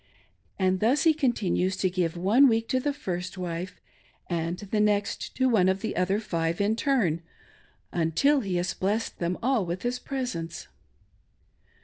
And thus he continues to give one week to the first wife, and the next to one 6f the other five in turn, until he has blessed them all with his presence.